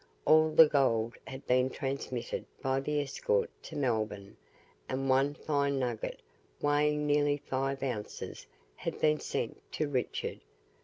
All the gold had been transmitted by the escort to Melbourne, and one fine nugget, weighing nearly five ounces, had been sent to Richard.